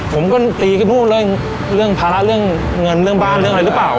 ผมก็ตีกันนู่นเรื่องภาระเรื่องเงินเรื่องบ้านเรื่องอะไรหรือเปล่า